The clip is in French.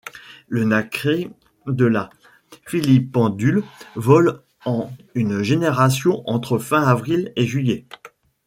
Le Nacré de la filipendule vole en une génération entre fin avril et juillet.